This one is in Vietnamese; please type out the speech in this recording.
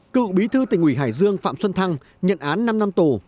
cựu bí thư tỉnh ủy hải dương phạm xuân thăng nhận án năm năm tù